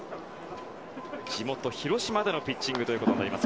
地元・広島でのピッチングになります。